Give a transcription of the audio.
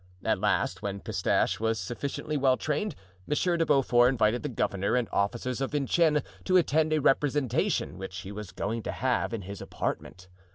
At last, when Pistache was sufficiently well trained, Monsieur de Beaufort invited the governor and officers of Vincennes to attend a representation which he was going to have in his apartment.